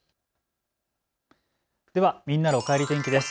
ではみんなのおかえり天気です。